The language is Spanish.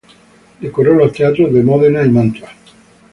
Decoró los teatros de Módena y Mantua.